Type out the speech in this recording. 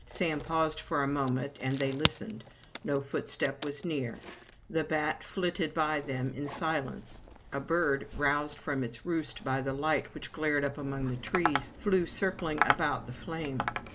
Sam paused for a moment, and they listened. No footstep was near. The bat flitted by them in silence; a bird, roused from its roost by the light which glared up among the trees, flew circling about the flame.